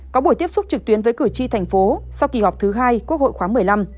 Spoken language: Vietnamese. có buổi tiếp xúc trực tuyến với cử tri thành phố sau kỳ họp thứ hai quốc hội khoáng một mươi năm